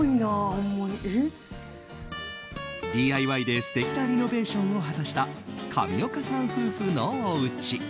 ＤＩＹで素敵なリノベーションを果たした上岡さん夫婦のおうち。